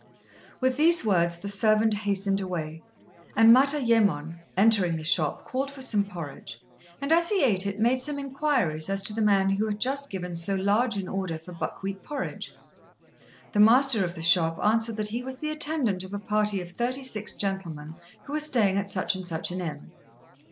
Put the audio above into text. With these words the servant hastened away; and Matayémon, entering the shop, called for some porridge, and as he ate it, made some inquiries as to the man who had just given so large an order for buckwheat porridge. The master of the shop answered that he was the attendant of a party of thirty six gentlemen who were staying at such and such an inn.